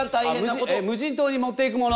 無人島に持っていくもの？